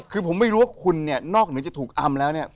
คือผมไม่รู้ว่าคุณเนี่ยนอกเหนือจะถูกอำแล้วเนี่ย